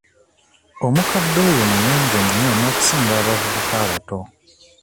Omukadde oyo muyonjo nnyo n'okusinga abavubuka abato.